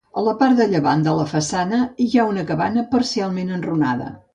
A la part de llevant de la façana hi ha una cabana parcialment enrunada.